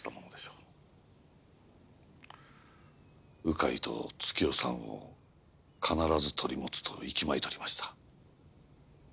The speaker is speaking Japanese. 鵜飼と月代さんを必ず取り持つといきまいとりました。